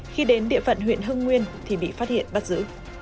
khi đến địa phận huyện hưng nguyên thì bị phát hiện bắt giữ